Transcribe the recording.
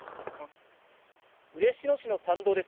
嬉野市の山道です。